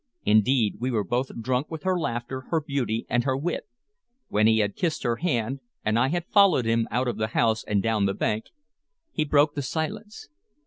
Indeed, we were both drunk with her laughter, her beauty, and her wit. When he had kissed her hand, and I had followed him out of the house and down the bank, he broke the silence.